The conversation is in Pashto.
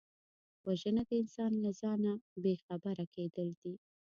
وژنه د انسان له ځانه بېخبره کېدل دي